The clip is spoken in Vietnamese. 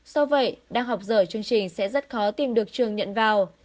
sau vậy đang học rời chương trình sẽ rất khó tìm được trường nhận vào